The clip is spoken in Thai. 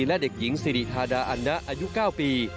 และเด็กหญิงสิริธาดาอันนะอายุ๙ปี